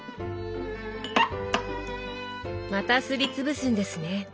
またすりつぶすんですね。